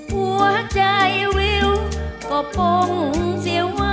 หัวใจวิวก็ป้องเสียงว่า